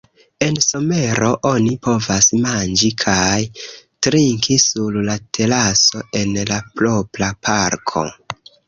En somero oni povas manĝi kaj trinki sur la teraso en la propra parko.